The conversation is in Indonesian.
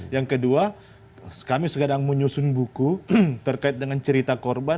yang kedua kami sedang menyusun buku terkait dengan cerita korban